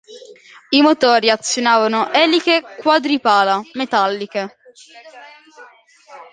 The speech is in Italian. I motori azionavano eliche quadripala, metalliche.